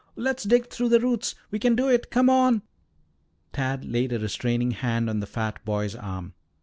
Let's dig through the roots. We can do it. Come on." Tad laid a restraining hand on the fat boy's arm.